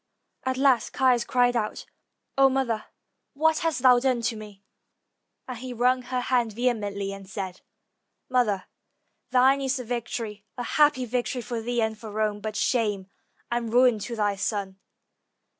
At last Caius cried out, "0 mother, what hast thou done to me?" and he wrung her hand vehemently, and said, "Mother, thine is the victory; a happy victory for thee and for Rome, but shame and ruin to thy son."